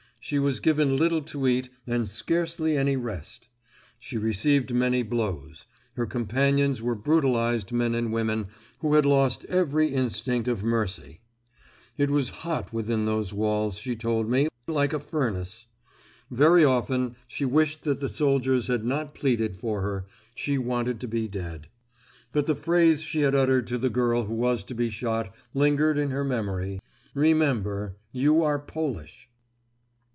She was given little to eat and scarcely any rest. She received many blows; her companions were brutalised men and women who had lost every instinct of mercy. It was hot within those walls, she told me—like a furnace. Very often she wished that the soldiers had not pleaded for her; she wanted to be dead. But the phrase she had uttered to the girl who was to be shot, lingered in her memory, "Remember, you are Polish."